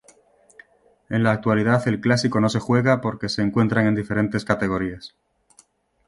En la actualidad el clásico no se juega porque se encuentran en diferentes categorías.